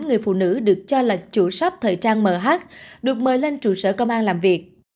người phụ nữ được cho là chủ shp thời trang mh được mời lên trụ sở công an làm việc